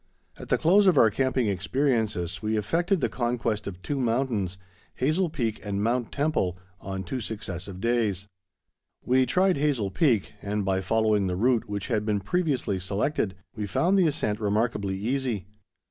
At the close of our camping experiences, we effected the conquest of two mountains, Hazel Peak and Mount Temple, on two successive days. We first tried Hazel Peak, and by following the route which had been previously selected, we found the ascent remarkably easy.